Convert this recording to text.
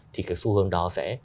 thì cái xu hướng đó sẽ